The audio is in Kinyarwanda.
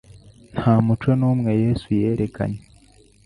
Nta muco n'umwe Yesu yerekanye